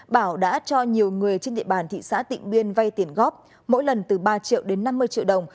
bảo đã cho nhiều người trên địa bàn thị xã tịnh biên vay tiền góp mỗi lần từ ba triệu đến năm mươi triệu đồng